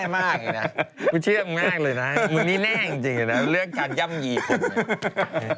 ไม่เชื่อมง่ายเลยนะมันนี่แน่จริงนะเรื่องการย่ำยีผม